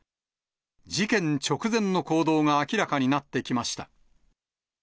事件直前の行動が明らかになってきました。